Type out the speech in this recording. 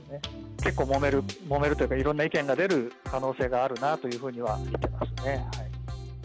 結構もめる、もめるというか、いろんな意見が出る可能性があるなというふうには見てますね。